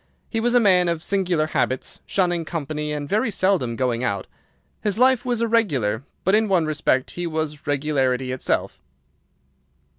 He was a man of singular habits, shunning company and very seldom going out. His life was irregular, but in one respect he was regularity itself.